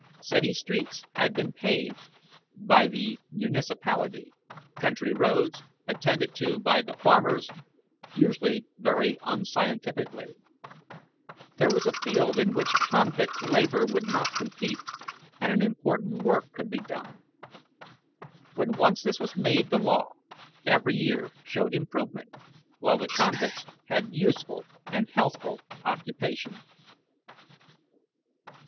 City streets had been paved by the municipality; country roads attended to by the farmers, usually very unscientifically. Here was a field in which convict labour would not compete, and an important work could be done. When once this was made the law, every year showed improvement, while the convicts had useful and healthful occupation.